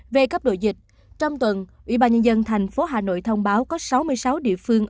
về cấp độ dịch trong tuần ủy ban nhân dân thành phố hà nội thông báo có sáu mươi sáu địa phương